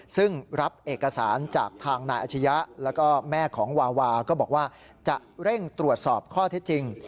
ซึ่งรับเอกสารจากทางนายอาชียะแล้วก็แม่ของวาวาก็บอกว่าจะเร่งตรวจสอบข้อเท็จจริง